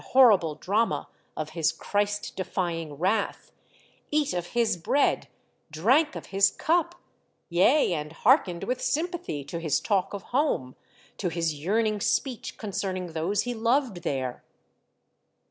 507 horrible drama of his Christ defying wrath, eat of his bread, drank of his cup, yea, and hearkened with sympathy to his talk of home, to his yearning speech concerning those he loved there